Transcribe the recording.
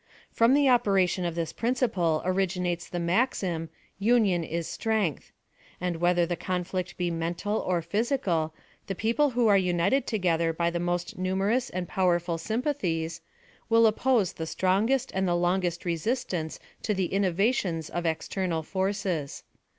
From the operation of this principle originates the maxim " Union is strength ;" and whether the conflict be mental or physical, the people who are united together by the most numerous and powerful sympathies, will oppose the strongest and the long est resistance to the innovations of external forces.